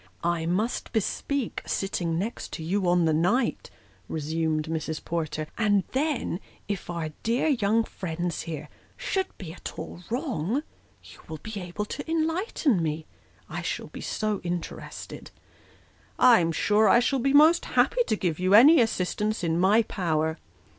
"I must bespeak sitting next you on the night," resumed Mrs. Porter ;" and then, if our dear young friends here, should be at all wrong, you will be able to enlighten me. I shall be so interested." " I am sure I shall be most happy to give you any assistance in my power."